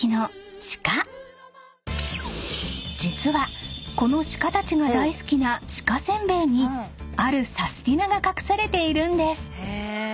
［実はこの鹿たちが大好きな鹿せんべいにあるサスティな！が隠されているんです］